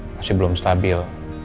masih belum stabil